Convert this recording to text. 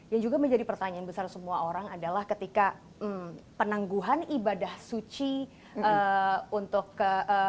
yang juga menjadi pertanyaan besar semua orang adalah ketika penangguhan ibadah suci untuk ke